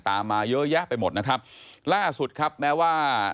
มาเยอะแยะไปหมดนะครับล่าสุดครับแม้ว่า